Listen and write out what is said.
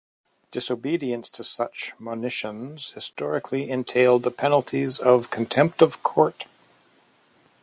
Disobedience to such monitions historically entailed the penalties of contempt of court.